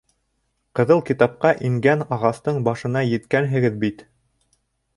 Ҡыҙыл китапҡа ингән ағастың башына еткәнһегеҙ бит.